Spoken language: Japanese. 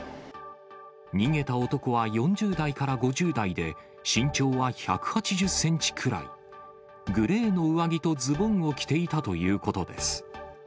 逃げた男は４０代から５０代で、身長は１８０センチくらい、グレーの上着とズボンを着ていたということです。